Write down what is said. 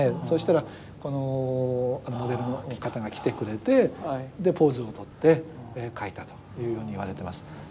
そしたらこのモデルの方が来てくれてでポーズを取って描いたというように言われてます。